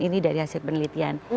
ini dari hasil penelitian